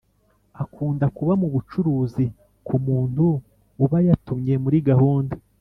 Akunda kuba mu bucuruzi ku muntu uba yatumwe muri gahunda